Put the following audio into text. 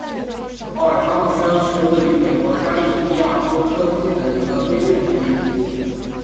奥尔章克申是位于美国加利福尼亚州克恩县的一个非建制地区。